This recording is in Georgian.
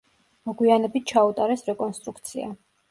მოგვიანებით ჩაუტარეს რეკონსტრუქცია.